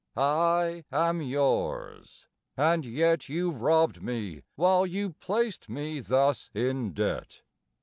I am yours: and yet You robbed me while you placed me thus in debt.